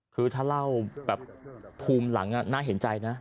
คือถ้าเล่าแบบภูมิหลังน่าเห็นใจนะ